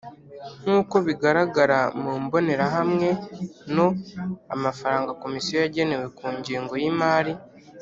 Nk uko bigaragara mu mbonerahamwe no amafaranga komisiyo yagenewe ku ngengo y imari